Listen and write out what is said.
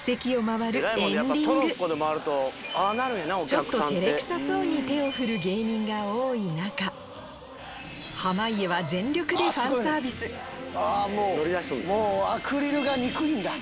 ちょっと照れくさそうに手を振る芸人が多い中濱家はアクリルが憎いんだ。